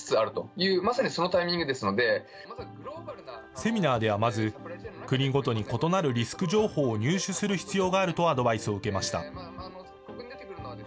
セミナーではまず、国ごとに異なるリスク情報を入手する必要があるとアドバイスを受けました。